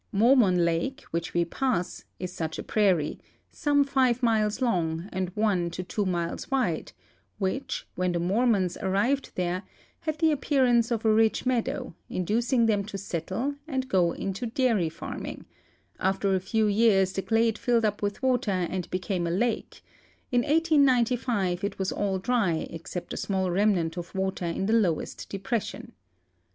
iMormon hike, wl^cii wo pass, is such a prairie, some five miles long and one to two mik's wide, which, when the Mormons arrived there, had tiie appearance of a rich meadow, inducing them to settle and go into dairy farm ing ; after a few years the glade filled up with water and became a lake ; in 1895 it was all dry except a small renniant of water in the lowest depression.